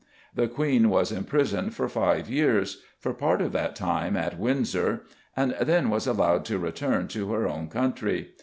The Queen was imprisoned for five years for part of that time at Windsor and then was allowed to return to her own country.